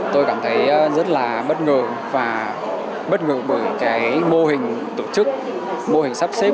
tôi cảm thấy rất là bất ngờ và bất ngờ bởi cái mô hình tổ chức mô hình sắp xếp